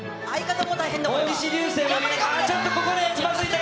大西流星、ちょっとここでつまずいた。